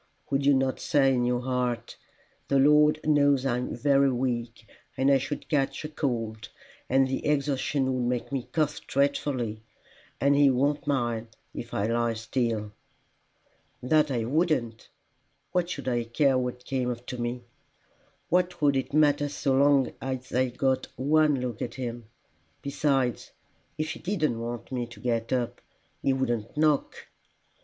"Would you not say in your heart, 'The Lord knows I am very weak, and I should catch cold, and the exertion would make me cough dreadfully, and he won't mind if I lie still?'" "That I wouldn't! What should I care what came to me? What would it matter so long as I got one look at him! Besides, if he didn't want me to get up, he wouldn't knock."